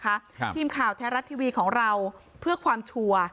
ทีมข่าวแท้รัฐทีวีของเราเพื่อความชัวร์